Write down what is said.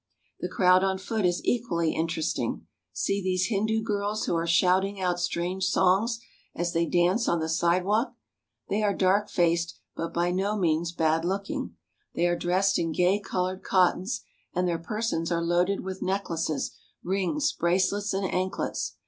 The crowd on foot is equally interesting. See these Hindu girls who are shouting out strange songs as they dance on the sidewalk ! They are dark faced, but by no means bad looking. They are dressed in gay colored cottons, and their persons are loaded with necklaces, rings, bracelets, and anklets.